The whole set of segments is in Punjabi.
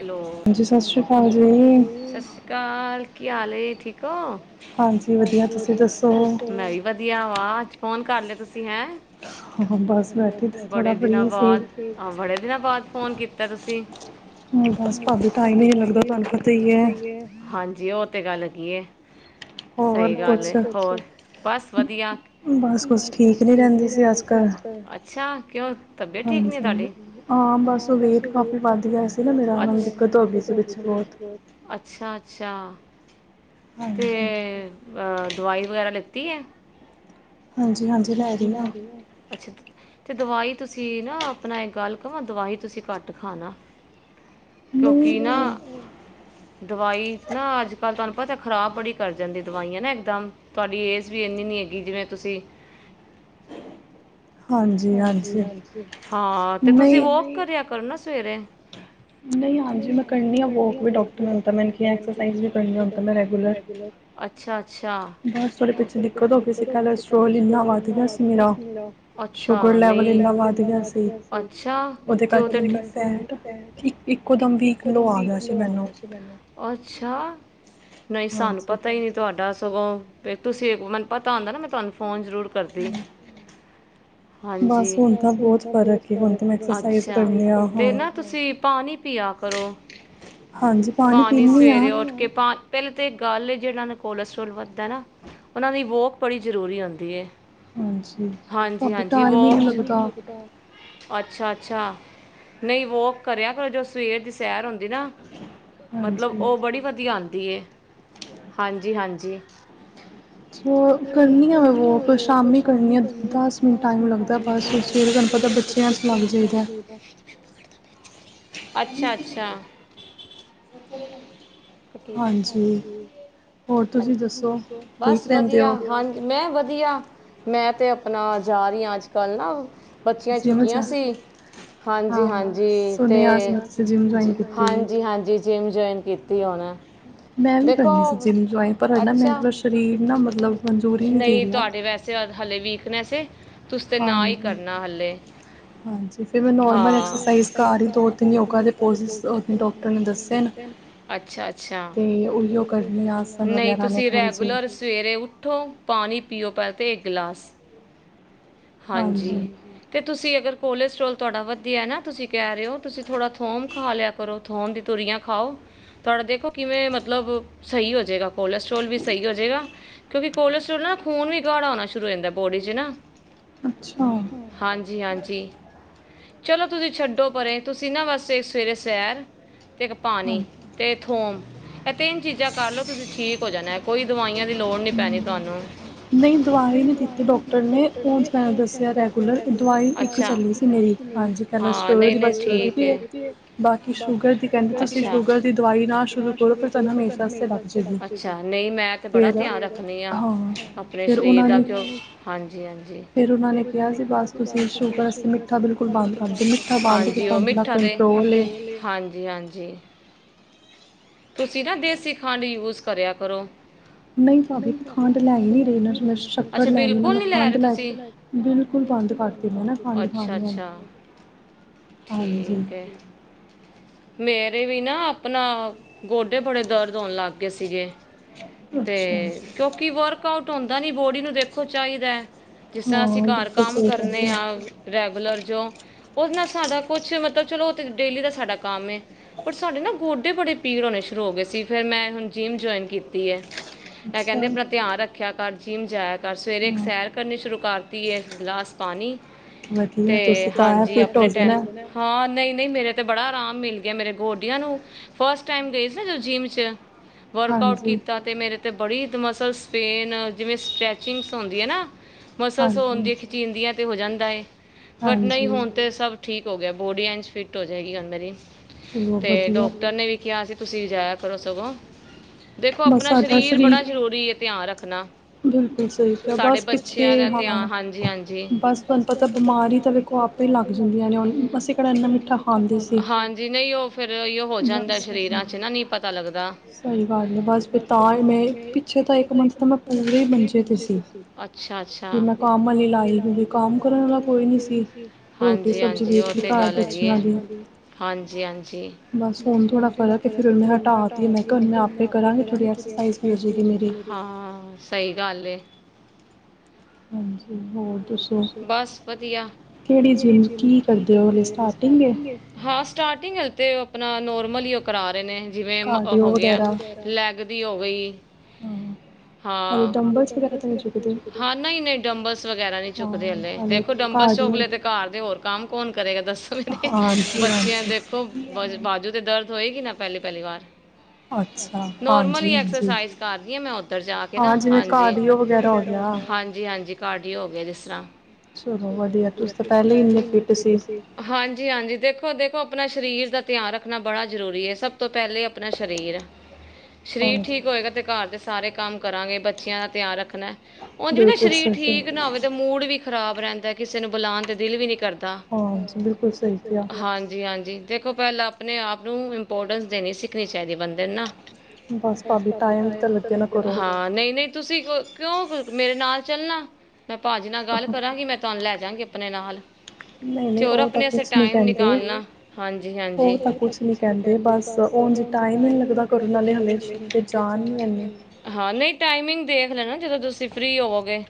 ਹੈਲੋ ਹਾਂ ਸਤਿ ਸ੍ਰੀ ਅਕਾਲ ਜੀ, ਸਤਿ ਸ਼੍ਰੀ ਅਕਾਲ। ਕੀ ਹਾਲ ਏ? ਠੀਕ ਹੋ। ਹਾਂਜੀ, ਵਧੀਆ ਤੁਸੀਂ ਦੱਸੋ। ਮੈਂ ਵੀ ਵਧੀਆ ਵਾ। ਫੋਨ ਕਰ ਲਿਆ ਤੁਸੀਂ ਹੈ ਬੜੇ ਦਿਨਾਂ ਬਾਅਦ ਆ ਬੜੇ ਦਿਨਾਂ ਬਾਅਦ। ਫੋਨ ਕੀਤਾ ਤੁਸੀਂ। ਹਾਂ ਬਸ ਭਾਭੀ ਟਾਈਮ ਈ ਨੀ ਲਗਦਾ, ਤੁਹਾਨੂੰ ਪਤਾ ਈ ਏ। ਜੀ ਔ ਤੇ ਗੱਲ ਹੈਗੀ ਏ। ਸਹੀ ਗੱਲ ਏ, ਹੋਰ ਬਸ ਵਧਿਆ, ਬਸ ਕੁਜ ਠੀਕ ਨੀ ਰਹਿੰਦੀ ਸੀ ਅਜ ਕੱਲ, ਅੱਛਾ ਕਿਉਂ ਤਬੀਅਤ ਠੀਕ ਨੀ ਰਹਿੰਦੀ ਤੁਹਾਡੀ, ਹਾਂ ਬਸ ਵੈਟ ਕਾਫੀ ਵਾਦ ਗਯਾ ਸੀ। ਅੱਛ, ਅੱਛਾ। ਅੱਛਾ। ਹਾਂਜੀ ਦਵਾਈ ਵਗੈਰਾ ਲਿੱਤੀ ਏ। ਹਾਂਜੀ -ਹਾਂਜੀ ਲੈ ਰਹੀ, ਅੱਛਾ ਅਤੇ ਦਵਾਈ ਤੁਸੀਂ ਨਾ ਆਪਣਾ ਗੱਲ ਕਵਾਂ, ਦਵਾਈ ਤੁਸੀਂ ਘੱਟ ਖਾਣਾ ਨਹੀਂ ਆਹ ਦਵਾਈ ਨਾ ਅੱਜ ਕੱਲ੍ਹ ਤੁਹਾਨੂੰ ਪਤਾ ਖਰਾਬ ਬੜੀ ਕਰ ਜਾਂਦੀ ਦਵਾਈਆਂ ਨਾ ਇਕਦਮ ਤੁਹਾਡੀ ਏਜ਼ ਵੀ ਇੰਨੀ ਨਹੀਂ ਹੈਗੀ ਜਿਵੇਂ ਤੁਸੀਂ ਹਾਂਜੀ -ਹਾਂਜੀ, ਹਾਂ ਤੇ ਤੁਸੀਂ ਵਾਲਕ ਕਰਿਆ ਕਰੋ ਨਾ ਸਵੇ ਸਵੇਰੇ ਨਹੀਂ ਹੁਣ ਤੇ ਮੈਂ ਕਰਨੀ ਆ ਵਾਲਕ ਡਾਕਟਰ ਨੇ ਕਿਹਾ ਮੈਂ ਰੈਗੂਲਰ, ਅੱਛਾ ਅੱਛਾ, ਦਿੱਕਤ ਹੋ ਗਈ ਸੀ, ਕੇਸਟਰੋਲ ਵਸਧ ਗਿਆ ਸੀ ਮੇਰਾ ਅੱਛਾ ਆ ਨਹੀਂ ਸਾਨੂੰ ਪਤਾ ਹੀ ਨਹੀਂ ਤੁਹਾਡਾ ਸਗੋ ਫੇਰ ਤੁਸੀ ਜੇ ਮੈਨੂੰ ਪਤਾ ਹੁੰਦਾ ਨਾ ਮੈਂ ਤੁਹਾਨੂੰ ਫੋਨ ਜ਼ਰੂਰ ਕਰਦੀ ਹਾਂਜੀ ਅੱਛਾ ਤੇ ਨਾ ਤੁਸੀਂ ਪਾਣੀ ਪਿਆ ਕਰੋ ਪਾਣੀ ਸਵੇਰੇ ਉਠ ਕੇ ਪਹਿਲੇ ਤੇ ਇਹ ਗੱਲ ਐ ਜਿਹਨਾਂ ਦਾ ਕੋਲਸਟਰੋਲ ਵੱਧਦਾ ਨਾ ਉਹਨਾਂ ਦੀ ਵੋਕ ਬੜੀ ਜ਼ਰੂਰੀ ਹੁੰਦੀ ਹੈ ਹਾਂਜੀ ਭਾਬੀ ਵੋਕਸ ਅੱਛਾ ਅੱਛਾ ਨਹੀਂ ਵੋਕ ਕਰਿਆ ਕਰੋ ਜੋ ਸਵੇਰ ਦੀ ਸੈਰ ਹੁੰਦੀ ਨਾ ਮਤਲਬ ਉਹ ਬੜੀ ਵਧੀਆ ਆਉਂਦੀ ਐ ਹਾਂਜੀ ਹਾਂਜੀ ਕਰਨੀ ਆ ਮੈਂ ਵੋਕ ਸ਼ਾਮੀ ਕਰਨੀ ਆ ਦਸ ਮਿੰਟਾਂ ਨਾ ਟਾਈਮ ਲੱਗਦਾ ਬਸ ਜਿਹ ਪਤਾ ਬੱਚਿਆਂ ਚ ਲੰਘ ਜਾਈਦਾ ਅੱਛਾ ਅੱਛਾ ਬਸ ਵਧੀਆ ਹਾਂਜੀ ਮੈਂ ਵਧੀਆ ਮੈਂ ਤੇ ਆਪਣਾ ਜਾ ਰਹੀ ਹਾਂ ਅੱਜ ਕੱਲ ਨਾ ਬੱਚੀਆਂ ਛੁੱਟੀਆਂ ਸੀ ਹਾਂਜੀ ਹਾਂਜੀ ਅਤੇ ਹਾਂਜੀ ਹਾਂਜੀ ਜਿੰਮ ਜੁਆਇਨ ਕੀਤੀ ਤੇ ਹੁਣ ਦੇਖੋ ਅੱਛਾ ਨਹੀਂ ਤੁਹਾਡੇ ਵੈਸੇ ਹਲੇੇ ਵੀਕ ਅਤੇਨੈਸੇ ਤੁਸੀਂ ਤੇ ਨਾ ਹੀ ਕਰਨਾ ਹਲੇ ਹਾ ਅੱਛਾ ਅੱਛਾ ਨਹੀਂ ਤੁਸੀਂ ਰੈਗੂਲਰ ਸਵੇਰੇ ਉੱਠੋ ਪਾਣੀ ਪੀਓ ਪਹਿਲੇ ਤੇ ਇੱਕ ਗਲਾਸ ਹਾਂਜੀ ਤੇ ਤੁਸੀਂ ਅਗਰ ਕੋਲੇਸਟਰ੍ਰੋਲ ਤੁਹਾਡਾ ਵਧੀਆ ਨਾ ਤੁਸੀਂ ਕਹਿ ਰਹੇ ਹੋ ਤੁਸੀਂ ਥੋੜ੍ਹਾ ਥੋਮ ਖਾ ਲਿਆ ਕਰੋ ਥੋਮ ਦੀ ਤੂਰੀਆਂ ਖਾਓ ਤੁਡਾ ਦੇਖੋ ਕਿਵੇਂ ਮਤਲਬ ਸਹੀ ਹੋ ਜੇਗਾ ਕੋਲਸਟਰੋਲ ਵੀ ਸਹੀ ਹੋ ਜੇਗਾ ਕਿਉਂਕਿ ਕੋਲੇਸਟਰੋਲ ਨਾ ਖੂਨ ਵੀ ਗਾੜਾ ਹੋਣਾ ਸ਼ੁਰੂ ਹੋ ਜਾਂਦਾ ਬੋਡੀ ਚ ਨਾ ਹਾਂਜੀ ਹਾਂਜੀ ਚਲੋ ਤੁਸੀਂ ਛੱਡੋ ਪਰੇ ਤੁਸੀਂ ਨਾ ਬਸ ਇੱਕ ਸਵੇਰੇ ਸੈਰ ਤੇ ਇੱਕ ਪਾਣੀ ਅਤੇ ਥੋਮ ਇਹ ਤਿੰਨ ਚੀਜ਼ਾਂ ਕਰ ਲਓ ਤੁਸੀਂ ਠੀਕ ਹੋ ਜਾਣਾ ਕੋਈ ਦਵਾਈਆਂ ਦੀ ਲੋੜ ਨਹੀਂ ਪੈਣੀ ਤੁਹਾਨੂੰ ਨਹੀਂ ਦਵਾਈ ਨਹੀਂ ਦਿੱਤੀ ਡਾਕਟਰ ਨੇ ਉਝ ਮੈ ਦੱਸਿਆ ਰੈਗੂਲਰ ਦਵਾਈ ਇੱਕ ਚੱਲੀ ਸੀ ਮੇਰੀ ਹਾਂਜੀ ਕਲਸਟਰ੍ਰੋਲ ਬਸ ਚਲਦੀ ਪਈ ਹੈ ਬਾਕੀ ਸ਼ੂਗਰ ਦੀ ਕਹਿੰਦੇ ਤੁਸੀਂ ਸ਼ੂਗਰ ਅੱਛਾ ਨਹੀਂ ਮੈਂ ਤੇ ਬੜਾ ਧਿਆਨ ਰੱਖਣੀ ਆ ਆਪਣੇ ਸਰੀਰ ਦਾ ਕਿਉ ਹਾਂਜੀ -ਹਾਂਜੀ ਫਿਰ ਉਨਾ ਨੇ ਕਿਆ ਕੀ ਬਸ ਤੁਸੀ ਸ਼ੂਗਰ 'ਚ ਮਿੱਠਾ ਬਿਲਕੁਲ ਬੰਦ ਕਰ ਦਿਓ। ਹਾਂਜੀ, ਉਹ ਮਿਠਾਸ ਤੇ -ਕੰਟਰੋਲ ਏ। ਹਾਂਜੀ ਹਾਂਜੀ। ਤੁਸੀਂ ਨਾ ਦੇਸੀ ਖੰਡ ਯੂਸ ਕਰਿਆ ਕਰੋ। ਨਹੀ ਸਾਡੇ ਤੇ ਖੰਡ ਲੈ ਈ ਨਈ ਰਏ। ਮਤਲਬ ਅੱਛਾ ਬਿਲਕੁਲ ਨਈ ਲੈ ਰਹੇ ਤੁਸੀ। ਬਿਲਕੁਲ ਬੰਦ ਕਰ ਦਿਤੀ। ਅੱਛਾ-ਅੱਛਾ ਠੀਕ ਏ। ਹਾਂਜੀ। ਮੇਰੇ ਵੀ ਨਾ ਆਪਣਾ ਗੋਡੇ ਬੜੇ ਦਰਦ ਹੋਣ ਲੱਗ ਗਏ ਸੀਗੇ। ਤੇ ਕਿਉਂਕਿ ਵਰਕ ਆਊਟ- ਹੋਂਦਾ ਨੀ ਬੋਡੀ ਨੂੰ ਦੇਖੋ ਚਾਈਦਾ। ਜਿਸ ਤਰ੍ਹਾਂ ਅਸੀਂ ਘਰ ਕੰਮ ਕਰਨੇ ਆਂ ਰੈਗੂਲਰ- ਜੋ ਉਹਦੇ ਨਾਲ ਸਾਡਾ ਕੁਛ ਮਤਲਬ ਚਲੋ ਉਹ ਤੇ ਡੇਲੀ ਦਾ ਸਾਡਾ ਕੰਮ ਏ। ਪਰ ਸਾਡੇ ਨਾ ਗੋਡੇ ਬੜੇ- ਪੀੜ ਹੋਣੇ ਸ਼ੁਰੂ ਹੋ ਗਏ ਸੀ ਫਿਰ ਮੈਂ ਹੁਣ ਜਿੰਮ ਜੁਆਇਨ ਕੀਤੀ ਏ। ਐ ਕਹਿੰਦੇ ਆਪਣਾ ਧਿਆਨ ਰੱਖ- ਰਖਿਆ ਕਰ ਜਿਮ ਜਾਇਆ ਕਰ। ਸਵੇਰੇ ਇੱਕ ਸੈਰ ਕਰਨੀ ਸ਼ੁਰੂ ਕਰਤੀ ਏ। ਗਲਾਸ ਪਾਣੀ- ਤੇ ਹਾਂਜੀ ਆਪਣੇ ਟੈਮ। ਭੇਜਦੇ ਨੇ -ਹਾਂ ਨਹੀਂ। ਨਹੀਂ ਮੇਰੇ ਤੇ ਬੜਾ ਆਰਾਮ ਮਿਲ ਗਿਆ। ਮੇਰੇ ਗੋਡਿਆਂ ਨੂੰ- ਫਸਟ ਟਾਈਮ ਗਈ ਸੀ ਨਾ ਜੋ ਜਿੰਮ 'ਚ ਵਰਕ ਆਊਟ ਕੀਤਾ ਤੇ ਮੇਰੇ ਤੇ ਬੜੀ- ਮਸਲਸ ਪੇਨ, ਜਿਵੇਂ ਸਟਰੈਚਿੰਗਸ ਹੁੰਦੀਆ ਏ ਨਾ- ਮਸਲ ਸੋ ਦੀ ਖਿਚੀਣਦੀਆਂ ਤੇ ਹੋ ਜਾਂਦ- ਦਏ- ਬਟ ਨਹੀਂ ਹੋਣ ਤੇ ਸਭ ਠੀਕ ਹੋ ਗਿਆ। ਬੋਡੀ ਐਂਜ ਫਿਟ ਹੋ ਜਾਏਗੀ ਅੰਦਰ ਈ। ਚਲੋ ਵਧੀਆ। ਤੇ ਤੁਸੀਂ ਜਾਇਆ ਕਰੋ ਸਗੋਂ। ਦੇਖੋ ਆਪਣਾ ਸਰੀਰ ਬੜਾ ਜ਼ਰੂਰੀ ਏ। ਧਿਆਨ ਰੱਖਣਾ- ਸਾਡੇ ਬੱਚਿਆਂ ਦਾ ਧਿਆ ਹਾਂਜੀ -ਹਾਂਜੀ। ਬਸ ਤੂਹਾਨੂੰ ਪਤਾ ਬਿਮਾਰੀ ਤਾ ਆਪੇ ਈ ਲਗ ਜਾਂਦੀਆ ਨੇ। ਅਸੀ ਕੇੜਾ ਏਨਾ ਮਿਠਾ ਖਾਂਦੇ ਸੀ। ਹਾਂਜੀ ਨਹੀਂ ਉਹ ਫੇਰ- ਜਾਂਦਾ ਸਰੀਰ ਚ ਨਾ ਨਈ ਪਤਾ ਲਗਦਾ, ਸਈ ਗਲ ਐ ਬਸ ਤਾ ਈ ਮੈ ਪਿਛੇ ਇਕ ਮਹੀਨਾ ਪੂਰੇ ਮੰਜੇ ਤ ਸੀ। ਅਛਾ- ਅਛਾ। ਫੇਰ ਮੈ ਕੰਮ ਅਲੀ ਲਾਈ ਕਿਉਂਕਿ, ਕੰਮ ਕਰਨ ਅਲਾ ਕੋਈ ਨਹੀ ਸੀ। ਹਾਂਜੀ ਓ ਤੇ ਗਲ ਹੇਗੀ ਏ, ਰੋਟੀ- ਪਾਣੀ ਬੱਚਿਆਂ ਦੀ ਹਾਂਜੀ-ਹਾਂਜੀ। ਬਸ ਹਣ ਹੁਣ ਥੋੜਾ ਫਰਕ ਏ ਫੇਰ ਹੁਣ ਮੈ ਹਟਾਤੀ, ਮੈ ਕਿਆ ਹੁਣ ਮੈ ਆਪੇ ਕਰਾਂਗੀ ਥੋੜੀ ਐਕਸਰਸਾਈਜ਼ ਹੋ ਜਾਏਗੀ ਮੇਰੀ। ਹਾਂ ਸੀ ਗਲ ਏ। ਹੋਰ ਦੱਸੋ? ਬਸ ਵਧੀਆ, ਕੇੜੀ ਜਿਮ ਕੀ ਕਰਦੇ ਓ ਸਟਾਟਿੰਗ ਏ ਸਟਾਟਿੰਗ ਤੇ ਓ ਆਪਣਾ ਨੋਰ ਮਲਿਓ ਹੀ ਉਹ ਕਰਾ ਰਹੇ ਨੇ ਜਿਵੇਂ ਮ ਉਹ ਹੋ ਗਿਆ ਲੈਗ ਵੀ ਹੋ ਗਈ। ਹਾਂ, ਹਾਂ ਨਹੀਂ -ਨਹੀਂ ਡੰਬਲਸ ਵਗੈਰਾ ਨਹੀਂ ਚੁੱਕਦੇ ਹਲੇ, ਦੇਖੋ ਡੰਬਲ ਚੁੱਕ ਲੇ ਤੇ ਕਾਰ ਦੇ ਹੋਰ ਕੰਮ ਕੌਨ ਕਰੇਗਾ, ਦੱਸੋ ਮੈਨੂੰ ਬੱਚਿਆਂ ਦੇਖੋ ਬਾਜੂ ਤੇ ਦਰਦ ਚੁੱਕੀ ਨਾ ਪਹਿਲੀ ਪਹਿਲੀ ਵਾਰ ਨੋਰਮਲ ਐਕਰਸਾਈਜ ਕਰਦੀ ਆ, ਮੈਂ ਉਧਰ ਜਾ ਕੇ ਨਾ, ਹਾਜੀ, ਹਾਂਜੀ, ਹਾਂਜੀ। ਕਾਰਡੀਉ ਹੋ ਗਿਆ ਜਿਸ ਤਰ੍ਹਾਂ। ਠੀਕ ਹੈ ਵਧੀਆ, ਤੁਸੀ ਤਾਂ ਪਹਿਲੇ ਹੀ ਇੰਨੇ ਫਿਟ ਸੀ, ਹਾਂਜੀ ਹਾਂਜੀ, ਦੇਖੋ ਦੇਖੋ। ਆਪਣਾ ਸਰੀਰ ਦਾ ਧਿਆਨ ਰੱਖਣਾ। ਬੜਾ ਜ਼ਰੂਰੀ ਹੈ, ਸਭ ਤੋਂ ਪਹਿਲੇ ਆਪਣਾ ਸਰੀਰ। ਸਰੀਰ ਠੀਕ ਹੋਏਗਾ, ਤੇ ਘਰ ਦੇ ਸਾਰੇ ਕੰਮ ਕਰਾਂਗੇ, ਬੱਚਿਆਂ ਦਾ ਧਿਆਨ ਰੱਖਣਾ। ਉੰਜ ਵੀ ਨਾ ਸਰੀਰ ਠੀਕ ਨਾ ਹੋਵੇ, ਤੇ ਮੂਡ ਵੀ ਖ਼ਰਾਬ ਰਹਿੰਦਾ, ਕਿਸੇ ਨੂੰ ਬੁਲਾਉਣ ਤੇ ਦਿਲ ਵੀ ਨਹੀਂ ਕਰਦਾ। ਹਾਂਜੀ, ਹਾਂਜੀ। ਦੇਖੋ ਪਹਿਲਾ ਆਪਣੇ ਆਪ ਨੂੰ ਇੰਪੋਰਟੈਂਸ ਦੇਣੀ ਸਿੱਖਣੀ ਚਾਹੀਦੀ, ਬੰਦੇ ਨੂੰ ਨਾ। ਬਸ ਟਾਈਮ ਤਾਂ ਲੱਗਣਾ ਹਾਂ, ਨਹੀਂ ਨਹੀਂ। ਤੁਸੀਂ ਕਿਉਂ ਮੇਰੇ ਨਾਲ ਚੱਲਨਾ। ਮੈਂ ਭਾਅਜੀ ਨਾਲ ਗੱਲ ਕਰਾਂਗੀ, ਮੈਂ ਤੁਹਾਨੂੰ ਲੈ ਜਾਂਗੀ। ਆਪਣੇ ਨਾਲ ਨਹੀਂ -ਨਹੀਂ ਉਹ ਤਾਂ ਕੁਛ ਨੀ ਕਹਿੰਦੇ, ਉਹ ਤਾਂ ਕੁਛ ਕੁਛ ਨੀ ਕਹਿੰਦੇ, ਬਸ ਉੰਜ ਟਾਈਮ ਹੀ ਨਹੀਂ ਲੱਗਦਾ ਘਰੋਂ ਹਾਲੇ ਸਰੀਰ ਚ ਜਾਨ ਹੀ ਹੈਨੀ, ਹਾ ਨਹੀਂ ਟਾਈਮਿੰਗ ਦੇਖ ਲੈਣਾ ਜਦੋਂ ਤੁਸੀਂ ਫ੍ਰਰੀ ਹੋਵੋਗੇ,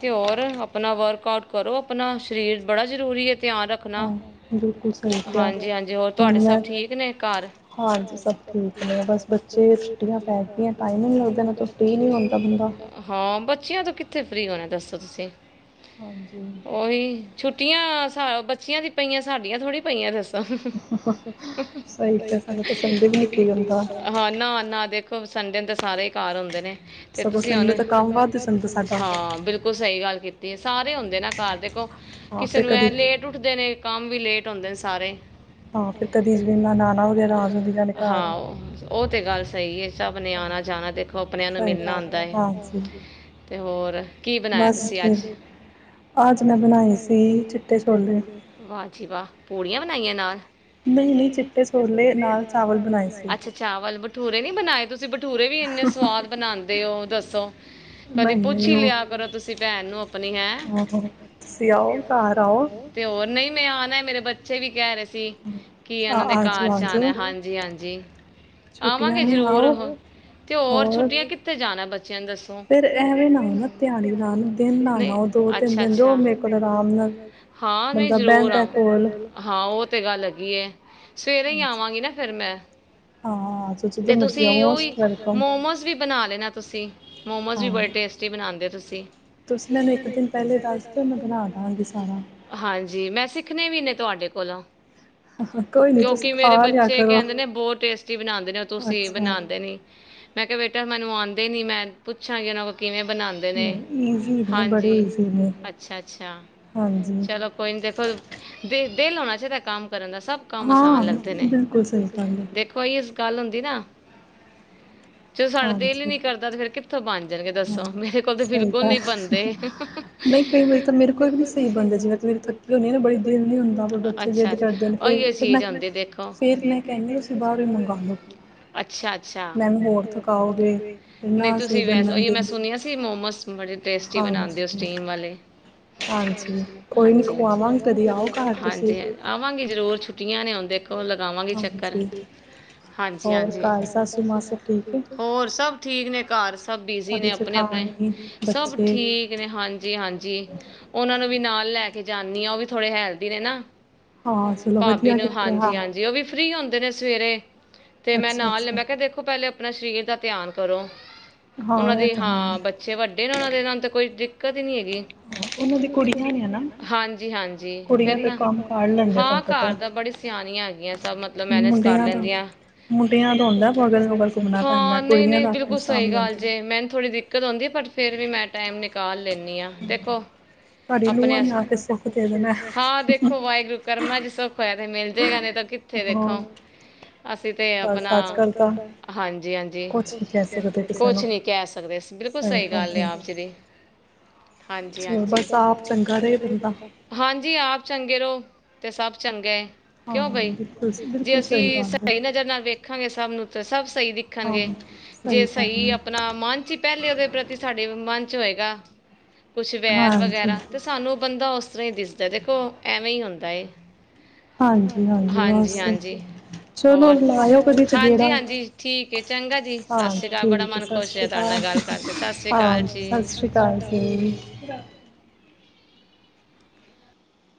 ਤੇ ਹੋਰ ਆਪਣਾ ਵਰਕ ਆਊਟ ਕਰੋ, ਆਪਣਾ ਸਰੀਰ ਬੜਾ ਜ਼ਰੂਰੀ ਹੈ। ਧਿਆਨ ਰੱਖਣਾ, ਹਾਂਜੀ, ਹਾਂਜੀ ਹੋਰ। ਤੁਹਾਡੇ ਸਬ ਠੀਕ ਨੇ ਘਰ, ਹਾਂਜੀ ਸਭ ਠੀਕ ਹੈ, ਬਸ ਬੱਚਿਆਂ ਨੂੰ ਛੁੱਟੀਆਂ ਪੈ ਗਈਆਂ, ਟਾਈਮ ਨਹੀਂ ਲੱਗਦਾ, ਫਰੀ ਨਹੀਂ ਹੁੰਦਾ ਬੰਦਾ, ਹਾਂ ਬੱਚਿਆ ਤੁਸੀਂ ਕਿੱਥੇ ਫਰੀ ਹੋਣਾ, ਦੱਸੋ ਤੁਸੀਂ। ਉਹੀ ਛੁੱਟੀ ਛੁੱਟੀਆਂ ਬੱਚਿਆ ਦੀ ਪਈਆਂ ਸਾਡੀਆਂ ਥੋੜ੍ਹੀ ਪਈਆਂ ਦੱਸਾਂ। ਨਾ ਨਾ ਦੇਖ। ਸੰਡੇ ਨੂੰ ਤਾਂ ਸਾਰੇ ਘਰ ਹੁੰਦੇ ਨੇ। ਤੇ ਤੁਸੀਂ ਹੁਣ, ਹਾਂ ਬਿਲਕੁਲ ਸਹੀ ਗੱਲ ਕੀਤੀ। ਤੇ ਸਾਰੇ ਹੁੰਦੇ ਨਾ ਘਰ ਦੇਖੋ। ਕਿਸੇ ਨੂੰ ਇਹ ਲੇਟ ਉੱਠਦੇ ਨੇ। ਕੰਮ ਵੀ ਲੇਟ ਹੁੰਦੇ ਸਾਰੇ। ਹਾਂ ਉਹ ਤੇ ਗੱਲ ਸਹੀ ਆ ਸਾਬ ਨੇ ਆਣਾ ਜਾਣਾ ਦੇਖੋ ਆਪਣਿਆਂ ਨੂੰ ਮਿਲਣਾ ਹੁੰਦਾ ਹੈ ਤੇ ਹੋਰ ਕੀ ਬਣਾਇਆ ਤੁਸੀ ਅੱਜ ਵਾਹ ਜੀ ਵਾਹ ਪੂੜੀਆਂ ਬਣਾਈਆਂ ਨਾਲ ਨਹੀਂ ਨਹੀਂ ਚਿੱਟੇ ਛੋਲੇ ਨਾਲ ਚਾਵਲ ਬਣਾਏ ਅੱਾ ਚਾਵਲ ਭਤੁਰੇ ਨੀ ਬਣਾਏ ਤੁਸੀਂ ਤੁਸੀਂ ਭਠੂਰੇ ਵੀ ਇੰਨੇ ਭੈਣ ਨੂੰ ਆਪਣੀ ਹੈ ਤੇ ਹੋਰ ਨਹੀਂ ਮੈਂ ਆਉਣਾ ਮੇਰੇ ਬੱਚੇ ਵੀ ਕਹਿ ਰਹੇ ਸੀ ਕੀ ਇਹਨਾਂ ਦੇ ਕਾਰ ਚ ਆਣਾ ਹਾਂਜੀ ਹਾਂਜੀ ਆਵਾਂਗੇ ਜ਼ਰੂਰ ਉਹ ਤੇ ਹੋਰ ਛੁੱਟੀਆਂ ਕਿੱਥੇ ਜਾਣਾ ਬ ਦੋ ਅੱਛਾ ਅੱਾ ਹਾਂ ਮੈਂ ਜਰੂਰ ਹ ਹਾਂ ਅਤੇ ਗੱਲ ਹੈ ਗ ਹੈ ਸਵੇਰੇ ਹੀ ਆਵਾਂਗੀ ਨਾ ਫਿਰ ਮੈਂ ਤੇ ਤੁਸੀਂ ਉਹਹੀ ਮੋਮੋਸ ਵੀ ਬਣਾ ਲੈਣਾ ਤੁਸੀਂ ਮੋਮੋ ਬਸ ਬਣਾਦੇ ਤੁ ਹ ਮੈਂ ਸਿੱਖਣੇ ਵੀਨ ਤੁਹਾਡੇ ਕੋਲੋਂ ਕਿਉਂਕਿ ਮੇਰੇ ਬੱਚੇ ਕਹਿੰਦੇ ਨੇ ਬਹੁਤ ਟੇਸਟੀ ਬਣਾਉਂਦੇ ਨੇ ਉਹ ਤੁਸੀਂ ਬਣਾਉਦੇ ਨੀ ਮੈਂ ਕਿਹਾ ਬੇਟਾ ਮੈਨੂੰ ਆਉਂਦੇ ਨੀ ਮੈਂ ਪੁੱਛਾਂਗੀ ਉਹਨਾਂ ਕੋਲ ਕਿਵੇਂ ਬਣਾਉਦੇ ਨੇ ਹਾਂਜੀ ਅੱਛਾ ਅੱਛਾ ਚਲੋ ਕੋਈ ਨੀ ਦੇਖੋ ਤੇ ਲਾਉ ਚਾਹੀਦਾ ਕੰਮ ਕਰਨ ਦਾ ਸਭ ਕੰਮ ਆਸਾਨ ਲੱਗਦੇ ਨੇ ਬਿਲਕੁ ਦੇਖੋ ਕੱਲ੍ਹ ਹੁੰਦੀ ਨਾ ਜਦੋਂ ਸਾਡਾ ਦਿਲ ਹੀ ਨਹੀਂੀ ਕਰਦਾ ਤੇ ਫੇਰ ਕਿ ਬੰ ਣ ਦੱਸੋ ਮੇਰੇ ਕੋਲ ਤੇ ਬਿਲਕੁਲ ਨੀ ਬੰਦੇ ਕੋਲ ਸਾ ਓਹੀ ਚੀਜ਼ ਆਉਂਦੀ ਦੇਖੋ ਅੱਛਾ ਅੱਛਾ ਤੁਸੀਂ ਵੈਸ ਹੀ ਸੁਣਿਆ ਸੀ ਮੋਮਸ ਤੁ ਬੜੇ ਟੇਸਟੀ ਬਣਾਉਂਦੇ ਹੋ ਸਟੀਮ ਵਾਲੇ ਹਾਂਜੀ ਹ ਆਵਾਂਗੇ ਰੋ [unintelligible] ਛੁਟੀਆਂ ਨੇ ਆਉਂਦੇ ਕੋ ਲਗਾਵਾਂਗੇ ਚੱਕਰ ਹਾਂਜੀ ਹਾਂਜੀ ਹੋਰ ਸਭ ਠੀਕ ਨੇ ਘਰ ਸਭ ਬਿਜ਼ੀ ਨੇ ਆਪਣੇ ਆਪਣੇ ਸਭ ਠੀਕ ਨੇ ਹਾਂਜੀ ਹਾਂਜੀ ਉਹਨਾਂ ਨੂੰ ਵੀ ਨਾ ਲੈ ਕੇ ਜਾਂਦੀ ਆ ਉਹ ਵੀ ਥੋੜੇ ਹੈਲਦੀ ਨੇ ਨਾ ਭਾਬੀ ਨੂੰ ਹਾਂਜੀ ਹਾਂਜੀ ਉਹ ਵੀ ਫ੍ਰਰੀ ਹੁੰਦੀ ਦਿਨ ਸਵੇਰੇ ਤੇ ਮੈਂ ਨਾਲ ਲੈ ਮੈਂ ਕਿਹਾ ਦੇਖੋ ਪਹਿਲੇ ਆਪਣਾ ਸਰੀਰ ਦਾ ਧਿਆਨ ਕਰੋ ਉਹਨਾਂ ਦੇ ਹਾਂ ਬੱਚੇ ਵੱਡੇ ਨੇ ਉਹਨਾਂ ਦੇ ਇਹ ਨਾਲ ਤਾਂ ਕੋਈ ਕਦੀ ਨ ਨਹੀਂ ਹਾਂਜੀ ਹਾਂਜੀ ਫਿਰ ਨਾ ਹਾਂ ਘਰ ਦਾ ਬੜੀ ਸਿਆਣ ਹੈਗੀਆਂ ਸਬ ਮਤਲਬ ਮੈਨੇਜ ਕਰ ਲੈਂਦੀਆਂ ਹਾਂ ਨਹੀਂ ਨਹੀਂ ਬਿਲਕੁਲ ਸਹੀ ਗੱਲ ਜੇ ਮੈਨ ਥੋੜੀ ਦਿੱਕਤ ਆਉਂਦੀ ਪਰ ਫੇਿਰ ਵੀ ਮੈਂ ਟਾਈਮ ਨਿਕਾਲ ਲੈਂਦੀ ਹਾਂ ਦੇਖੋ ਆਪਣੇ ਹਾਂ ਦੇਖੋ ਵਾਹਿਗੁਰੂ ਕਰਮਾ ਜੀ ਸਖਾ ਤੇ ਮਿਲ ਜਾੇਗਾ ਨ ਤਾਂ ਕਿੱਥੇ ਦੇਖੋ ਅਸੀਂ ਤੇ ਆਪਣਾ ਹਾਂਜੀ ਹਾਂਜੀ ਕੁਛ ਨੀ ਕਹਿ ਸਕਦੇ ਬਿਲਕੁਲ ਸਹੀ ਗੱਲ ਆ [unintelligible] ਹਾਂਜੀ ਹਾਂਜੀ ਹਾਂਜੀ ਆਪ ਚੰਗੇ ਰਹੋ ਤੇ ਸਭ ਚੰਗਾ ਏ ਕਿਉਂ ਬਈ ਜੇ ਅਸੀਂ ਸਹੀ ਨਜ਼ਰ ਨਾਲ ਵੇਖਾਂਗੇ ਸਭ ਨੂੰ [unintelligible] ਸਹੀ ਵਿਖਣਗੇ, ਜੇ ਸਹੀ ਅਪਨਾ ਮਨ ਚ ਈ ਪੈਲੇ ਓਦੇ ਪ੍ਰਤੀ ਸਾਡੇ ਮਨ ਚ ਹੋਏਗਾ। ਕੁਛ ਵੈਰ ਵਗੈਰਾ ਤੇ ਸਾਨੂੰ ਬੰਦਾ ਉਸ ਤਰ੍ਹਾਂ ਹੀ ਦਿਸਦਾ ਦੇਖੋ ਐਵੇਂ ਹੀ ਹੁੰਦਾ ਨਹੀਂ ਹਾਂਜੀ ਹਾਂਜੀ ਹੋਰ ਹਾਂਜੀ ਹਜੀ ਠੀਕ ਚੰਗਾ ਜੀ ਸਤਿ ਸ੍ਰੀ ਅਕਾਲ ਬੜਾ ਮਨ ਖੁਸ਼ ਰਿਹਾ ਤੁਹਾਡੇ ਨਾਲ ਗੱਲ ਕਰਕੇ ਸਤਿ ਸ੍ਰੀ ਅਕਾਲ ਜੀ ਸਤ੍ਰੀ